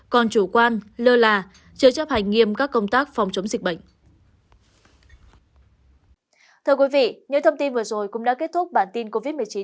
còn chủ quan lơ là chưa chấp hành nghiêm các công tác phòng chống dịch bệnh